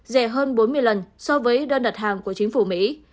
rẻ hơn bốn mươi lần so với đơn đặt hàng của chính phủ mỹ